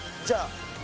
じゃあ